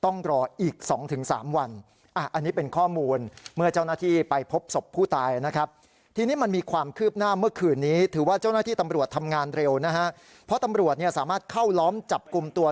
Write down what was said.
งานเร็วนะฮะเพราะตำรวจเนี่ยสามารถเข้าล้อมจับกลุ่มตัว